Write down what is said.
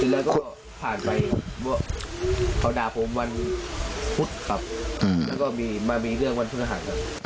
แล้วก็ผ่านไปว่าเขาดาบผมวันฟุตครับแล้วก็มีมามีเรื่องวันพรึ่งอาหารครับ